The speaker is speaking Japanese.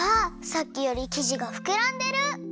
さっきよりきじがふくらんでる。